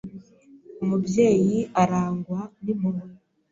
Umubyeyi arangwa nimpuhwe